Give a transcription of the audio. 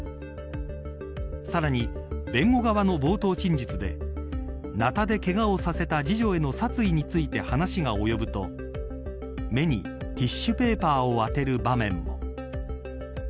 さらに、弁護側の冒頭陳述でなたで、けがをさせた次女への殺意について話が及ぶと目にティッシュペーパーを当てる場面も。